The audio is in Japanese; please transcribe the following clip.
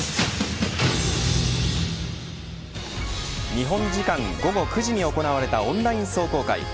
日本時間午後９時に行われたオンライン壮行会。